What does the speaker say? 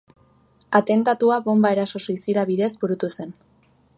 Atentatua bonba eraso suizida bidez burutu zen.